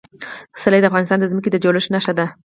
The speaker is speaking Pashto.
پسرلی د افغانستان د ځمکې د جوړښت نښه ده.